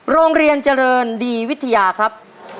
โรงเรียนเจริญดีวิทยาครับ